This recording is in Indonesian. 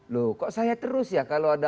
loh kok saya terus ya kalau ada